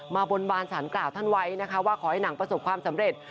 บนบานสารกล่าวท่านไว้นะคะว่าขอให้หนังประสบความสำเร็จ